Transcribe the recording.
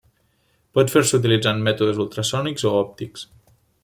Pot fer-se utilitzant mètodes ultrasònics o òptics.